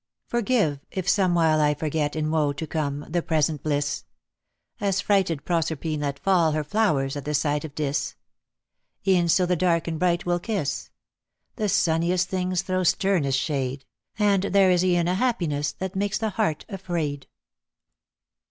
Forgive, if somewhile I forget, In woe to come, the present bliss ; As frighted Proserpine let fall Her flowers at the sight of Dis : E'en so the dark and bright will kiss — The sunniest things throw sternest shade, And there is e'en a happiness That makes the heart afraid